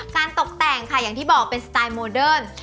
ตกแต่งค่ะอย่างที่บอกเป็นสไตล์โมเดิร์น